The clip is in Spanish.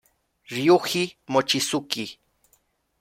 Ryuji Mochizuki